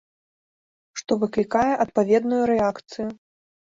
Што выклікае адпаведную рэакцыю.